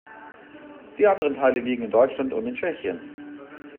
Die anderen Teile liegen in Deutschland und in Tschechien.